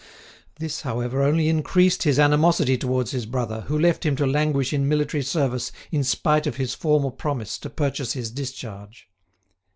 This, however, only increased his animosity towards his brother, who left him to languish in military service in spite of his formal promise to purchase his discharge.